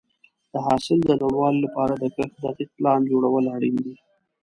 د حاصل د لوړوالي لپاره د کښت دقیق پلان جوړول اړین دي.